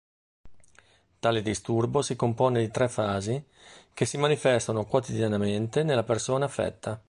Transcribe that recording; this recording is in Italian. Tale disturbo si compone di tre fasi che si manifestano quotidianamente nella persona affetta.